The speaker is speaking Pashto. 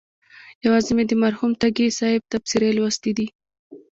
یوازې مې د مرحوم تږي صاحب تبصرې لوستلي دي.